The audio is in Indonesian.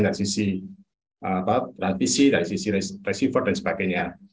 dari sisi transisi dari sisi receiver dan sebagainya